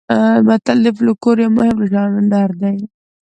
متل د فولکلور یو مهم ژانر دی